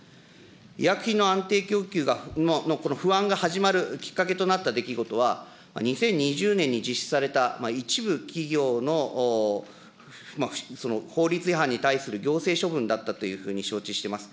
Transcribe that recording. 医薬品の安定供給のこの不安が始まるきっかけとなった出来事は、２０２０年に実施された一部企業の法律違反に対する行政処分だったというふうに承知してます。